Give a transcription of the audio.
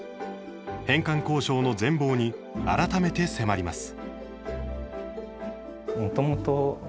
返還交渉の全貌に改めて迫ります。